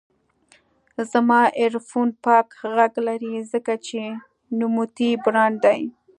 زما ایرفون پاک غږ لري، ځکه چې نوموتی برانډ دی.